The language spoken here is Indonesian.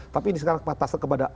tapi ini sekarang patah terkepada